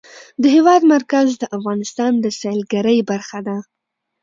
د هېواد مرکز د افغانستان د سیلګرۍ برخه ده.